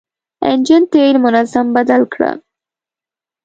انجن تېل منظم بدل کړه.